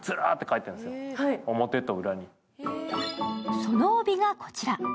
その帯がこちら。